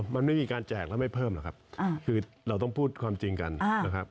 มันไม่มีการแจกแล้วไม่เพิ่มหรอกครับคือเราต้องพูดความจริงกันนะครับ